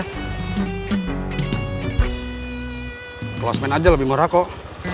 dia keroseda aja lebih murah kok